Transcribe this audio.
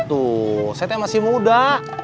tuh sete masih muda